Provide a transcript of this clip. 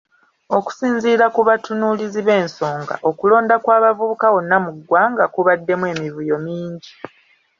Okusinziira ku batunuulizi b’ensonga, okulonda kw’abavubuka wonna mu ggwanga kubaddemu emivuyo mingi.